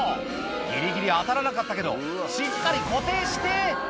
ギリギリ当たらなかったけどしっかり固定して！